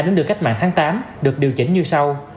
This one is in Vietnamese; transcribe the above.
đến được cách mạng tháng tám được điều chỉnh như sau